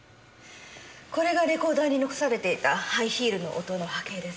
これがレコーダーに残されていたハイヒールの音の波形です。